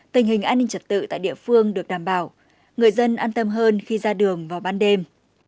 tình hình an ninh trật tự tại địa phương được đảm bảo người dân an tâm hơn khi ra đường vào ban đêm